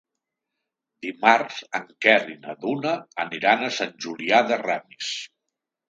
Dimarts en Quer i na Duna aniran a Sant Julià de Ramis.